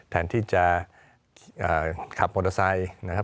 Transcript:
แทนที่จะขับมอเตอร์ไซต์